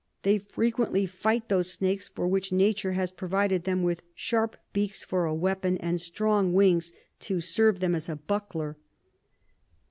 They frequently fight those Snakes, for which Nature has provided them with sharp Beaks for a Weapon, and strong Wings to serve them as a Buckler.